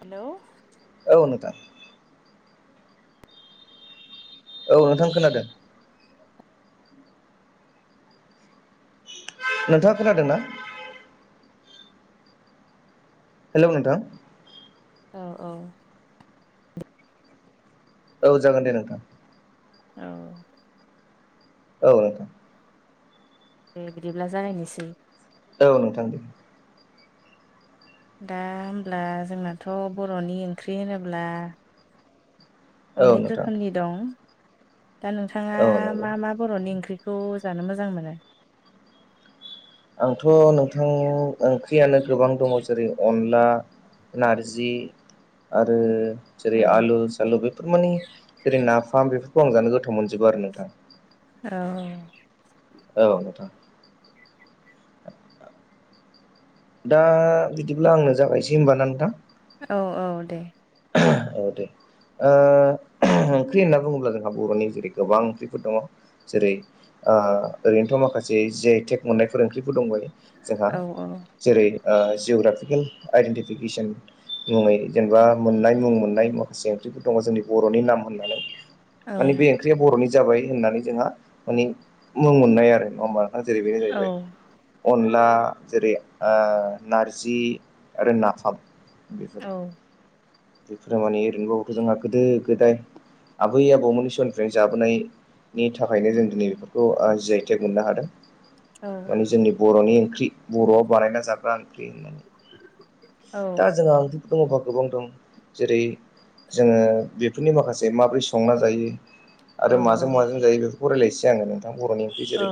Hello औ नोंथां। औ नोंथां खोनादों। नोंथाङा खोनादों ना? हेलौ नोंथां। औ औ औ जागोन दे नोंथां। औ औ नोंथां। दे बिदिब्ला जागायनोसै। औ नोंथां दे। दा होनब्ला जोंनाथ' बर'नि ओंख्रि होनोब्ला औ अनेक नोंथां रोखोमनि दं। दा नोंथाङा औ नंगौ मा मा बर'नि ओंख्रिखौ जानो मोजां मोनो? आंथ' नोंथां ओंख्रियानो गोबां दङ जेरै अन ला, नारजि आरो औ जेरै आलु सालु बेफोर मानानि जेरै नाफाम बेफोरखौ आं जानो गोथाव मोनजोबो आरो नोंथां। औ औ नोंथां। दा बिदिब्ला आंनो जागायनोसै होनोमबाना नोंथां? औ औ दे। औ दे ओ ओंख्रि होनना बुङोब्ला जोंहा बर'नि जेरै गोबां ओंख्रिफोर दङ जेरै ओ ओरैनोथ' मा खासे जि आइ टेक मोननाय फोर ओंख्रिफोर दंबायो जोंहा औ औ जेरै जिअग्राफिकेल आइडेन्टिफिकेसन मुङै जेनेबा ओ मोननाय मुं मोननाय माखासे ओंख्रिफोर दं जोंनि बर'नि औ माने बे ओंख्रिया बर'नि जाबाय होननानै जोंहा माने मुं मोननाय आरो नङा होनबा जेरै बेनो औ जाहैबाय अन नला जेरै ओ नारजि आरो नाफाम बेफोर। औ बेफोर माने ओरैनोबाबोथखौ जोंहा गोदो गोदाय आबै आबौमोननि समनिफ्रायनो जाबोनाय नि थाखायनो जों दिनै बेफोरखौ ओ जि आइ टेक मोननो हादों। औ माने जोंनि बर'नि ओंख्रि बर'आव बानायना जाग्रा होननानै दा जोंहा ओंख्रिफोर दङबा गोबां दं जेरै जोङो बेफोरनि माखासे माबोरै संना जायो औ आरो माजों माजों जायो बेफ फोरखौ रायलायसै आङो नोंथां बरनिफ्राय जेरै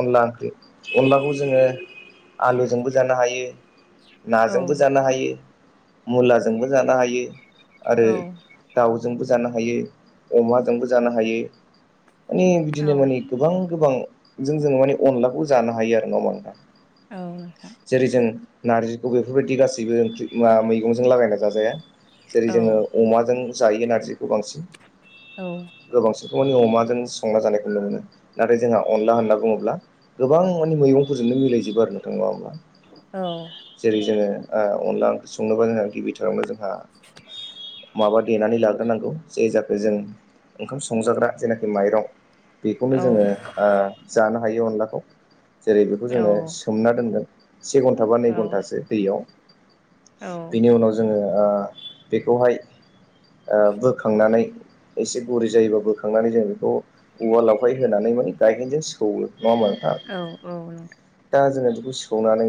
अनला ओंख्रि अनलाखौ जोङो आलुजोंबो जानो हायो औ नाजोंबो जानो हायो। मुलाजोंबो जानो हायो आरो दाउ जोंबो जानो हायो अमा जोंबो जानो हायो औ बिदिनो माने गोबां गोबांजों जोङो माने अनलाबो जानो हायो आरो नङा होनबा नोंथां नोंथां जेरै जों नारजिखौ बेफोरबायदि गासैबो ओंख्रि ओ मैगंजों लागायना जाजाया जेरै औ जोङो अमाजों जायो नारजिखौ बांसिन औ गोबांसिनखौ अमाजों संना जानायखौ नुनो मोनो नाथाय जोंहा अनला होनना बुङोब्ला गोबां माने मैगंफोरजोंनो मिलायजोबो आरो नोंथां नङा होमब्ला? औ जेरै जोङो ओ अनला ओंख्रि संनोबा जोंहा गिबिथारावनो जोंहा माबा देनानै लाग्रोनांगौ जे जाखो जों ओंखाम संजाग्रा जेनाखि माइरं औ बेखौनो जोङो ओ जानो हायो अनलाखौ। जेरै बेखौ जोङो सोमना दोनगोन से घन्टा बा नै घन्टासो दैयाव औ बेनि जोङो ओ बेखौहाय ओ बोखांनानै एसे गुरै जायोबा बोखांनानै जों बेखौ औवा लावखाय होनानै माने गाइगेनजों सौवो। नङा होनबा नोंथां? दा जोङो बिखौ सौनानै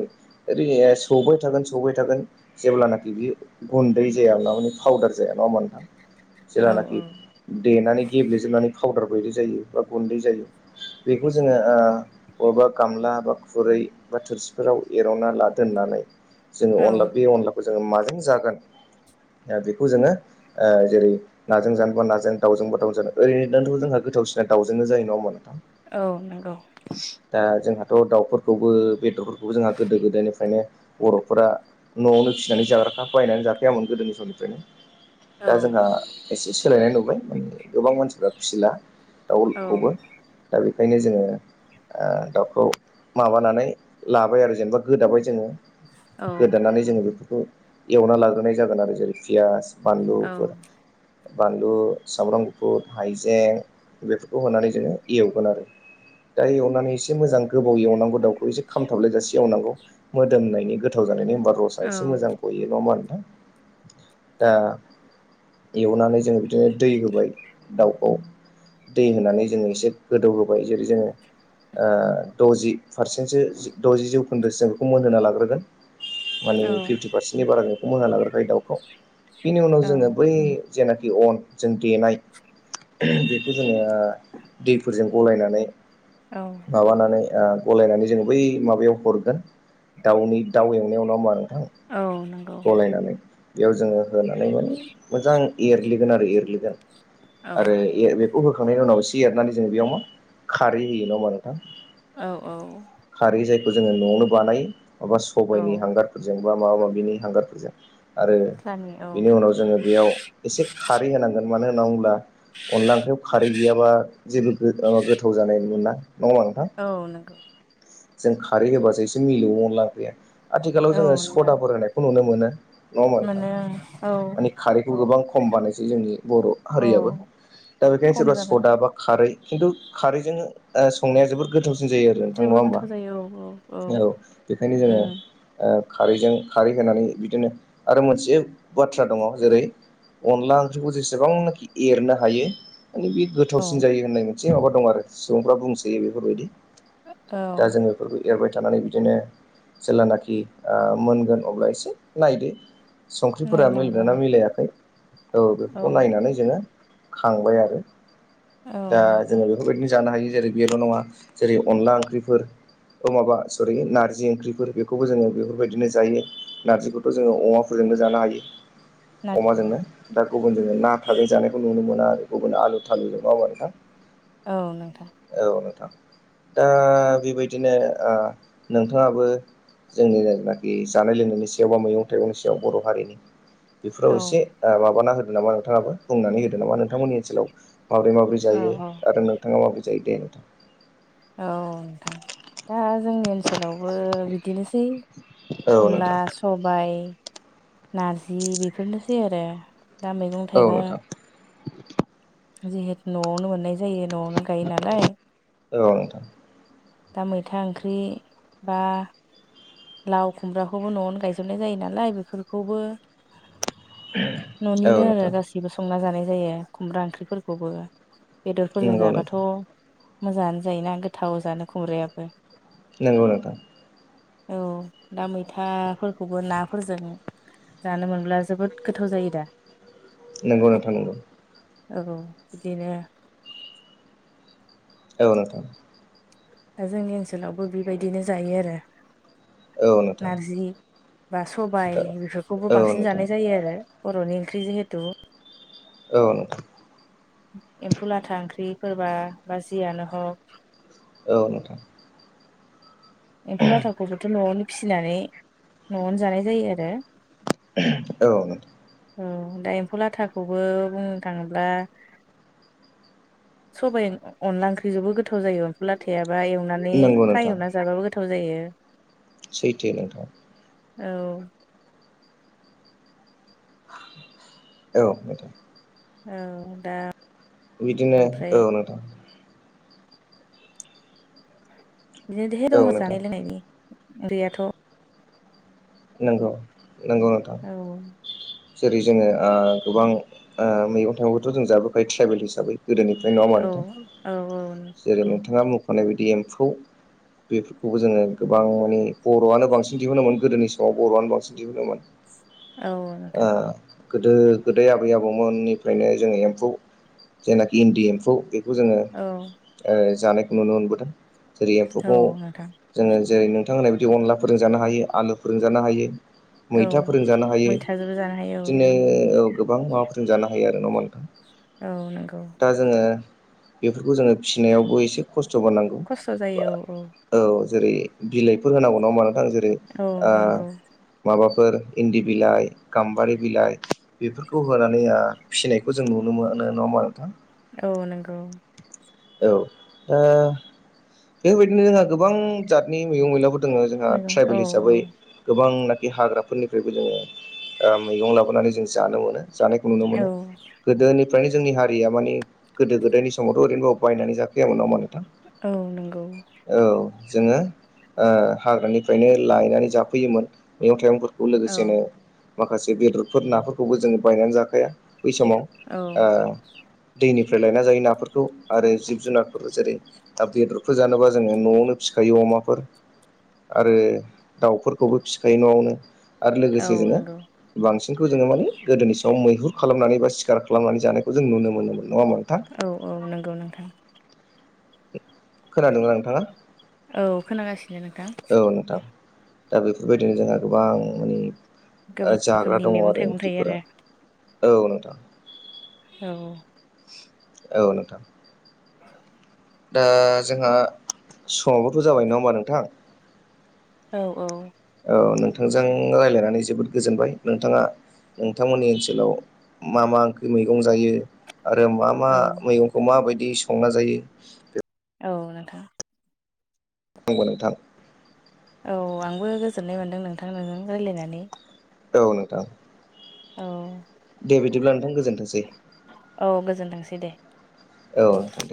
ओरै सौबाय थागोन सौबाय थागोन जेब्लानाखि बि गुन्दै जाया ना माने पाउदार जाया नङा होनबा नोंथां? औ जेलानाखि देनानै गेब्ले जोबनानै पाउदार बायदि जायो बा गुन्दै जायो बेखौ जोङो ओ बबा गामला बा खुरै बा थोरसिफोराव एरनना ला दोननानै जोङो औ बे औ अनला अनलाखौ जोङो माजों जागोन दा बेखौ जोङो ओ जेरै नाजों जानो बा नाजों दाावजोंबा दा ओरैनो जानोबो जोंहा गोथ गोथावसिना दाउजोंनो जायो नङा होमबा नोंथां? औ नंगौ दा जोंहा थ' दाउफोरखौबो बेदरफोरखौबो जोंहा गोदो गोदायनिफ्रायनो बर'फोरा न'आवनो फिसिनानै जाग्राखा बायनानै जाखायामोन गोदोनि समनिफ्रायनो। औ दा जोंहा एसे सोलायनाय नुबाय। माने गोबां मानसिफ्रा फिसिला औ दाउखौबो दा बे ओंखायनो जोङो ओ दाउखौ माबानानै लाबाय आरो जेनेबा गोदाबाय जोङो। औ गोदोनानै जोङो बेफोरखौ एवना लाग्रोनाय जागोन आरो। जेरै पियास औ बानलुफोर बानलु, सामब्राम गुफुर, हाइजें बेफोरखौ होनानै जोङो एवगोन आरो। दा एवनानै एसे मोजां गोबाव एवनांगौ दाउ एसे खामथाबलायजासे एवनांगौ। मोदोमनायनि गोथाव जानायनि होमबा रसा एसे मोजां गयो नङा होमबा नोंथां। दा एवनानै जोङो बिदिनो दै होबाय दाउखौ दै होनानै जोङो एसे गोदौ होबाय जेरै जोङो ओ द'जि फारसेन्टसो द'जि जौखोन्दोसो जों बेखौ मोनहोना लाग्रोगोन। माने औ पारसेननि बारा नोंथांमोनहा मोना लाग्रोखायो दाउखौ। बिनि उनाव जोङो बै औ जेनाखि अन जों देनाय बेखौ जोङो दैफोरजों गलायनानै माबानानै ओ गलायनानै जोङो बै माबायाव हरगोन। दाउनि दाउ एवनायाव नङा होमबा नोंथां? औ नंगौ। गलायनानै बेयाव जोङो होनानै माने मोजां एरग्लिगोन आरो एरग्लिगोन। औ आरो ए बेखौ होखांनायनि उनाव ए एरनानै जों बेयाव मा खारै होयो नङा होमबा नोंथां? औ औ खौ जोङो न'आवनो बानायो। माबा औ सबायनि हांगारफोरजों बा माबा माबिनि हांगारफोरजों। आरो सानि औ बेनि उनाव जोङो बेयाव एसे खारै होनांगोन। मानो होनना बुंब्ला। अनला ओंख्रियाव खारै गैयाबा जेबो गो गोथाव जानाय मोना। होमबा नोंथां औ नंगौ। जों खारै होबासो एसे मिलौवो अनल ओंख्रैया। आथिखालाव औ जोङो नोंथां सदाफोर होनायखौ नुनो मोनो। नङा होनबा नोंथां। माने औ माने खारैखौ गोबां खम बानायसै जोंनि बर' औ हारियाबो दा बेखायनो खम सोरबा जाबाय सदा बा खारै खिन्थु खारैजों ओ संनाया जोबोद गोथाव सिन जायो आरो नोंथां नङा जोबोद होनबा। गोथाव जायो औ औ बेखायनो जोङो उम ओ खारैजों खारै होनानै बिदिनो आरो मोनसे बाथ्रा दङ। जेरै अनला ओंख्रिखौ जेसेबांनाखि एरनो हायो। माने बे औ गोथावसिन जायो होननाय मोनसे माबा दं आरो सुबुंफ्रा बुंसोयो बेफोरबायदि। दा औ जों बेफोरखौ एरबाय थानानै बिदिनो जेलानाखि ओ मोनगोन अब्ला एसे नायदो। संख्रिफोरा नायनांगौ मिलायदोंना मिलायाखै औ आरो बेफोरखौ औ नायनानै जोङो। खांबाय आरो औ दा नोंथां जोङो बेफोरबायदिनो जानो हायो। जेरै बेल' नङा जेरै अनला ओंख्रिफोर अ' माबा सरि नारजि ओंख्रिफोर बेखौबो जोङो बेफोर बायदिनो जायो। नारजिखौथ' जोङो अमाफोरजोंनो जानो हायो। अमाजोंनो दा गुबुनजोंनो ना थाजों जानायखौ नुनो मोना। आरो गुबुन आलु थालुजों माव आरो दा औ नोंथां। दा बेबायदिनो ओ नोंथाङाबो जोंनि [unintelligible] खि जानाय लोंनायनि सायाव बा मैगं थाइगंनि सायाव बर' हारिनि बेफोराव औ एसे माबाना हो नामा नोंथाङाबो बुंनानै होदो नामा? नोंथांमोननि ओनसोलाव माबोरै माबोरै औ जायो औ आरो नोंथाङा माबोरै जायो दे नोंथां। औ नोंथां दा जोंनि ओनसोलाव बो बिदिनोसै औ नोंथां अनला सबाय नारजि बेफोरनोसै आरो दा मैगं औ थाइगं नोंथां जिहेथ न'आवनो मोननाय जायो न'आवनो गायो नालाय। औ नोंथां। दा मैथा ओंख्रि बा लाव खुमब्राखौबो न'आवनो गायजोबनाय जायो नालाय बेफोरखौबो औ न'निनो आरो नोंथां गाससिबो संना जानाय जायो खुमब्रा ओंख्रिफोरखौबो बेदरफोरजों नंगौ जाबाथ' नोंथां मोजाङानो जायोना गोथाव जानो खुमब्रायाबो। नंगौ नोंथां। औ दा मैथाफोरखौबो नाफोरजों जानो मोनब्ला जोबोद गोथाव जायो दा? नोंगौ नोंथां नोंगौ। औ बिदिनो औ नोंथां दा जोंनि ओनसोलावबो बेबायदिनो जायो आरो औ नोंथां। नारजि बा सबाय बेफोरखौबो औ बांसिन नोंथां जानाय जायो आरो बर'नि ओंख्रि जिहेथु औ एम्फौ लाथा ओंख्रिफोरबा बा जियानो हक औ नोंथां एम्फौ लाथाखौबोथ' न'आवनो फिसिनानै न'आवनो जानाय जायो आरो औ औ दा एम्फौ लाथाखौबो बुंनो थाङोब्ला सबाइ अनला ओंख्रिजोंबो गोथाव जायो अनफु लाथाया माबा एवनानै नंगौ फ्राय नोंथां एवना जाबाबो गोथाव जायो। सैथो नोंथां। औ औ औ दा बिदिनो ओमफ्राय औ नोंथां। [unintelligible] औ दङ नोंथां जानाय लोंनायनि उन्दैयाथ' नंगौ नंगौ नोंथां। जेरै जोङो गोबां मैगं थाइगंखौथ' जों जाबोबखायो ट्राइबेल हिसाबै गोदोनिफ्राय नङा मा औ नोंथां औ जेरै नंगौ नोंथाङा मुख माने बिदि एम्फौ बेफोरखौबो जोङो गोबां माने बर'आनो बांसिन दिहुनोमोन गोदोनि स माव बर'आनो बांसिन दिहुनोमोन। औ ओ नोंथां। गोदो गोदाय आबै आबौमोननिफ्रायनो जोङो एम्फौ जेनाखि इन्दि एम्फौ बे खौ जोङो औ ओ जानायखौ नुनो मोनबोदों। जेरै औ एम्फौखौ नोंथां जोङो जेरै नोंथां होननाय बिदि अनला फोरोंजानो हायो आलु फोरोंजानो हायो। मैथाफोरजों जानो हायो थाजोबो जानो हायो औ बिदिनो औ गोबां माबाफोरजों जानो हायो आरो न'मा नोंथां। औ नोंगौ। दा जोङो बेफोरखौ जोङो फिसिनायावबो एसे खस्थ'बो नांगौ खस्थ' बा जायो औ जेरै बिलाइफोर होनांगौ नङा ओमबा नोंथां जेरै औ ओ नंगौ माबाब फोर इन्दि बिलाइ गाम्बारि बिलाइ बेफोरखौ होनानै ओ फिसिनायखौ जों नुनो मोनो नङा ओमबा नोंथां? औ नंगौ औ दा बेबायदिनो जोंहा गोबां जातनि मैगं मैलाफोर दोङो जोंहा नंगौ औ ट्राइबेल हिसाबै गोबांनाखि हाग्राफोरनिफ्रायबो जोङो ओ मैगं लाबोनानै जों जानो मोनो जानायखौ नुनो औ मोनो गोदोनि फ्रायनो जोंनि हारिया माने गोदो गोदायनि समावथ' ओरैनोबाबाव बायनानै जाखायामोन नाव माने औ नोंगौ। जोङो ओ हाग्रानिफ्रायनो लायनानै जाफैयोमोन मैगं थाइगंफोर खौ औ लोगोसेनो माखासे बेदरफोर नाफोरखौबो जोङो बायनानै जाखाया बै समाव औ ओ दैनि निफ्राय लायना जायो नाफोरखौ आरो जिब जुनारफोर जेरै दाव बेदरफोर जानोबा जोङो न'आवनो फिखायो अ माफोर आरो दाउफोरखौबो फिखायो न'आवनो। आरो लोगोसे औ जोङो नंगौ बांसिनखौ जोङो माने गोदोनि सायाव मैहुर खालामनानै बा सिखार खालामनानै जानायखौ जों नुनो मोनोमोन नङा होमबा नोंथां औ औ नंगौ नोंथां। खोनादों नोंथाङा? औ खोनागासिनो नोंथां। औ नोंथां दा बेफोरबायदिनो जोंहा गोबां माने ओ गोबां जाग्रा रोखोमनि दङ मैगं आरो थाइगं थायो ओंख्रिफोरा। आरो औ नोंथां औ औ नोंथां दा जोंहा समावबोथ' जाबाय नङा होमबा नोंथां! औ औ औ नोंथांजों रायज्लायनानै जोबोद गोजोनबाय नोंथाङा नोंथांमोननि ओनसोलाव मा मा ओंख्रि मैगं जायो आरो मा मा औ मैगंखौ माबायदि संना जायो? बे औ नोंथां बुंबो नोंथां औ आंबो गोजोननाय मोन्दों नोंथां। नोंजों रायज्लायनानै औ नोंथां औ दे बिदिब्ला नोंथां गोजोनथोंसै औ गोजोनथोंसै दे औ नोंथां दे